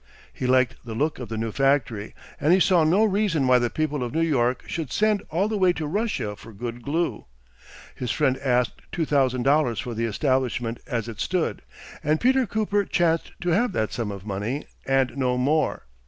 He liked the look of the new factory, and he saw no reason why the people of New York should send all the way to Russia for good glue. His friend asked two thousand dollars for the establishment as it stood, and Peter Cooper chanced to have that sum of money, and no more.